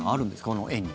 この絵に。